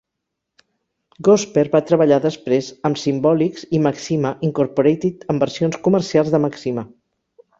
Gosper va treballar després amb Symbolics i Macsyma, Incorporated en versions comercials de Macsyma.